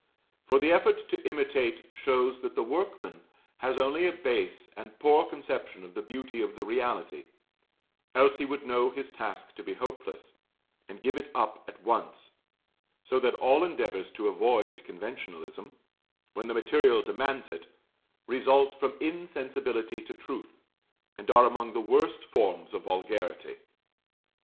For the effort to imitate shows that the workman has only a base and poor conception of the beauty of the reality else he would know his task to be hopeless, and give it up at once; so that all endeavours to avoid conventionalism, when the material demands it, result from insensibility to truth, and are among the worst forms of vulgarity.